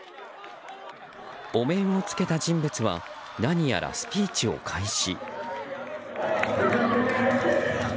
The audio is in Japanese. お面をつけた人物は何やらスピーチを開始。